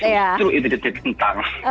justru itu di tentang